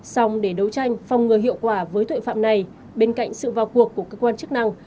xong để đấu tranh phòng ngừa hiệu quả với tội phạm này bên cạnh sự vào cuộc của cơ quan chức năng